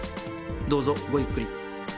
どうぞごゆっくり。